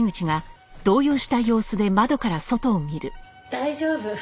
大丈夫。